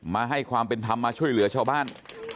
มาให้ความเป็นธรรมมาช่วยเหลือชาวบ้าน